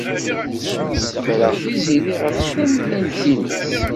Snemmreɣ Tiziri ɣef tallalt-nnes.